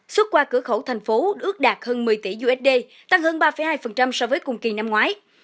xuất qua cửa khẩu thành phố ước đạt hơn một mươi tỷ usd tăng hơn ba hai so với cùng kỳ năm ngoái